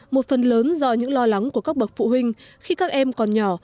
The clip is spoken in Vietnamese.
một phần lớn do những lo lắng của các bậc phụ huynh khi các em còn nhỏ